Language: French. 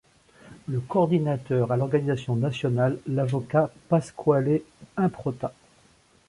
Le coordinateur à l'organisation nationale, l'avocat Pasquale Improta.